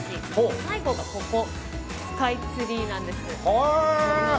最後がここスカイツリーなんです。